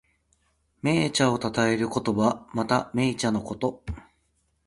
銘茶をたたえる言葉。また、銘茶のこと。